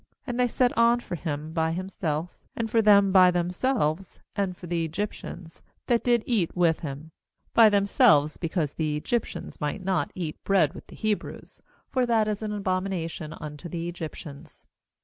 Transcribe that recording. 32And they set on for him by himself, and for them by themselves, and for the Egyptians, that did eat with him, by themselves; because the Egyptians might not eat bread with the Hebrews; for that is an abomina tion unto the Egyptians.